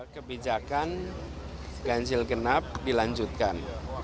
kebijakan ganjil genap dilanjutkan